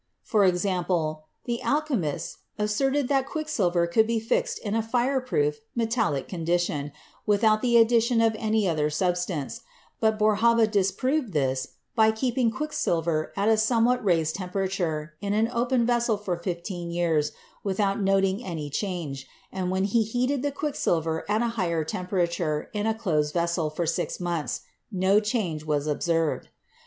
For example, the alchemists asserted that quicksilver could be fixed in a fireproof, metallic condition without the addition of any other substance, but Boerhaave disproved this by keeping quicksilver at a somewhat raised tempera ture in an open vessel for fifteen years without noting any change, and when he heated the quicksilver at a higher temperature in a closed vessel for six months no change was observed.